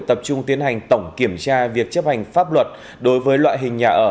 tập trung tiến hành tổng kiểm tra việc chấp hành pháp luật đối với loại hình nhà ở